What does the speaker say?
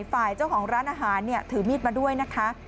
ฝ่ายเจ้าของร้านอาหารถือมีดมาด้วยนะคะ